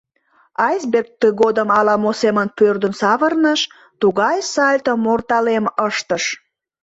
Айсберг тыгодым ала-мо семын пӧрдын савырныш, тугай сальто-морталем ыштыш.